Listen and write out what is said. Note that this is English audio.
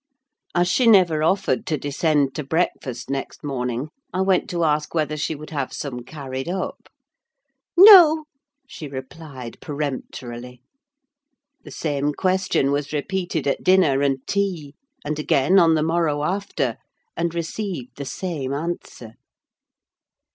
As she never offered to descend to breakfast next morning, I went to ask whether she would have some carried up. "No!" she replied, peremptorily. The same question was repeated at dinner and tea; and again on the morrow after, and received the same answer.